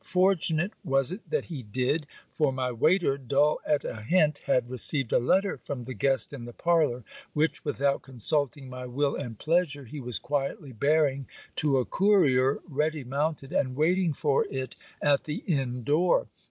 Fortunate was it that he did; for, my waiter, dull at a hint, had received a letter from the guest in the parlour, which, without consulting my will and pleasure, he was quietly bearing to a courier ready mounted and waiting for it at the inn door.